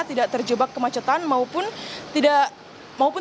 tidak terjebak kemacetan maupun